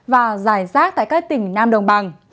và giải rác tại các tỉnh nam đồng bằng